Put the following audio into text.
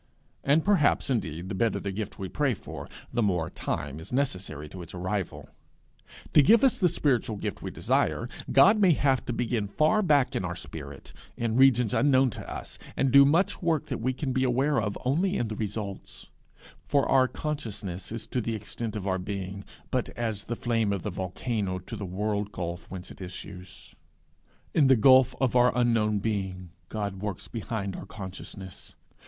And perhaps, indeed, the better the gift we pray for, the more time is necessary to its arrival. To give us the spiritual gift we desire, God may have to begin far back in our spirit, in regions unknown to us, and do much work that we can be aware of only in the results; for our consciousness is to the extent of our being but as the flame of the volcano to the world gulf whence it issues: in the gulf of our unknown being God works behind our consciousness.